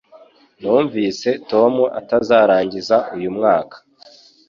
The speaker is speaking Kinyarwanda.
Numvise Tom atazarangiza uyu mwaka